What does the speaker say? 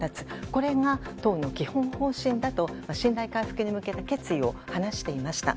これが党の基本方針だと信頼回復に向けて決意を話していました。